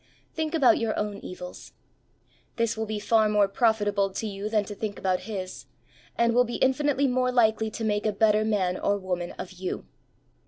'^ Think about your own evils. This will be far more profitable to you than to think about his, and will be infinitely more likely to make a better man or woman of you.